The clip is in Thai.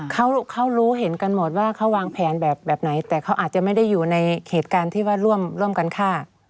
เขารู้เห็นกันหมดว่าเขาวางแผนแบบไหนแต่เขาอาจจะไม่ได้อยู่ในเหตุการณ์ที่ว่าร่วมกันฆ่า